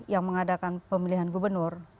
yang mengadakan pemilihan gubernur